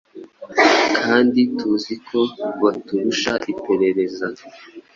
kandi tuzi ko baturusha iperereza